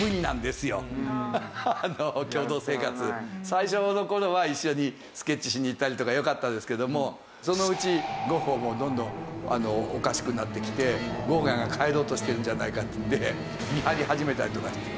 最初の頃は一緒にスケッチしにいったりとかよかったんですけどもそのうちゴッホもどんどんおかしくなってきてゴーギャンが帰ろうとしてるんじゃないかっていって見張り始めたりとかして。